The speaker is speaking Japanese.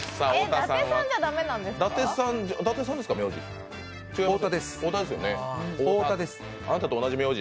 伊達さんですか、名字。